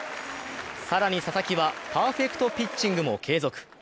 更に佐々木は、パーフェクトピッチングも継続。